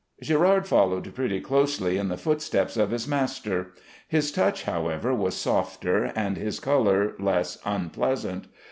Gérard followed pretty closely in the footsteps of his master. His touch, however, was softer, and his color less unpleasant.